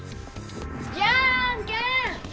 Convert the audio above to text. じゃあんけんッ！